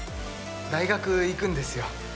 大学行くんですよ。